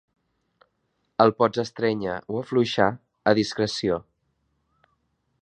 El pots estrènyer o afluixar a discreció.